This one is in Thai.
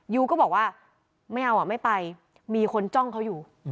ยูก็บอกว่าไม่เอาอ่ะไม่ไปมีคนจ้องเขาอยู่